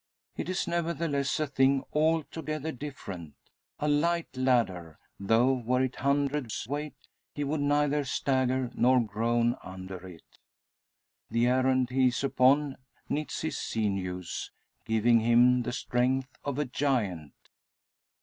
It is nevertheless a thing altogether different a light ladder; though were it hundreds weight he would neither stagger nor groan under it. The errand he is upon knits his sinews, giving him the strength of a giant.